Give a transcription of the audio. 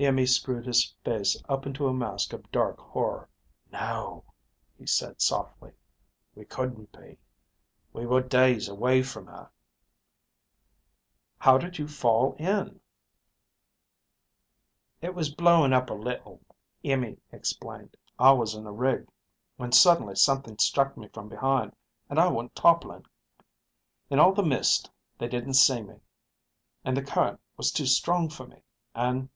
Iimmi screwed his face up into a mask of dark horror. "No," he said softly. "We couldn't be. We were days away from her...." "How did you fall in?" "It was blowing up a little," Iimmi explained. "I was in the rig when suddenly something struck me from behind and I went toppling. In all the mist, they didn't see me, and the current was too strong for me, and